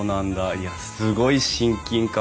いやすごい親近感湧くわ。